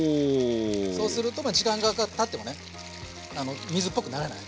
そうすると時間がたってもね水っぽくならない。